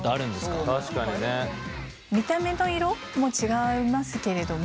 見た目の色もちがいますけれども。